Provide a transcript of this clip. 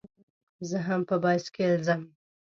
زه هم په بایسکل ځم.